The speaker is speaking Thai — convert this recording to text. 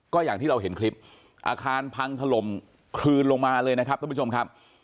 ก็อย่างที่เราเห็นคลิปอาคารพังถล่มคลืนลงมาเลยนะครับท่านผู้ชมครับ